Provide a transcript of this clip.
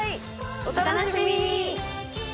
お楽しみに！